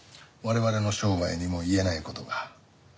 我々の商売にも言えない事が。